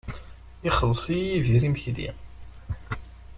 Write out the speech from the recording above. Ixelleṣ-iyi Yidir imekli.